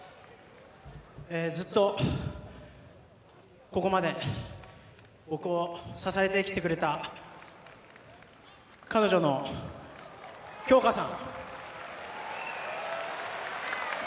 ずっとここまで僕を支えてきてくれた彼女の京香さん。